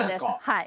はい！